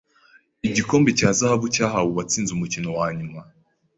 Igikombe cya zahabu cyahawe uwatsinze umukino wanyuma.